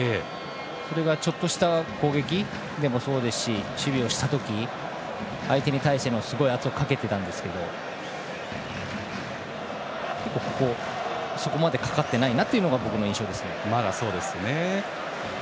それがちょっとした攻撃でもそうですし、守備をした時相手に対してもすごい圧をかけていたんですけどそこまでかかっていないなというのがまだそうですね。